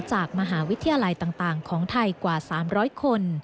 จากมหาวิทยาลัยต่างของไทยกว่า๓๐๐คน